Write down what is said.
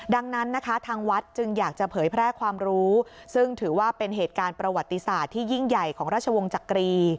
ดังนั้นนะคะทางวัดจึงอยากจะเผยแพร่ความรู้ซึ่งถือว่าเป็นเหตุการณ์ประวัติศาสตร์ที่ยิ่งใหญ่ของราชวงศ์จักรี